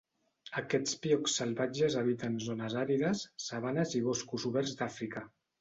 Aquests piocs salvatges habiten zones àrides, sabanes i boscos oberts d'Àfrica.